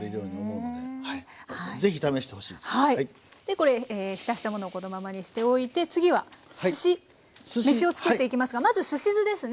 これ浸したものをこのままにしておいて次はすし飯を作っていきますがまずすし酢ですね。